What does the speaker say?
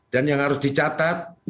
dan yang harus dicatat